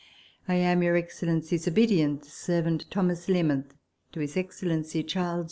I am, Your Excellency's obedient servant, THOMAS LEARMONTH. To His Excellency Charles J.